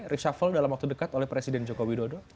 reshuffle dalam waktu dekat oleh presiden joko widodo